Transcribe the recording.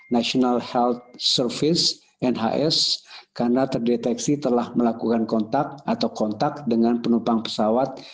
national health service nhs karena terdeteksi telah melakukan kontak atau kontak dengan penumpang pesawat